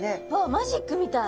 マジックみたい！